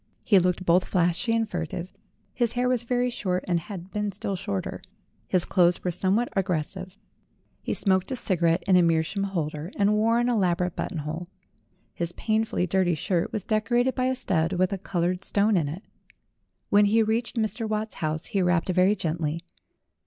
He looked both flashy and furtive; his hair was very short and had been still shorter; his clothes were somewhat aggres sive. He smoked a cigarette in a meerschaum holder and wore an elaborate buttonhole. His painfully dirty shirt was decorated by a stud with a colored stone in it. When he reached Mr. Watt's house he rapped very gently.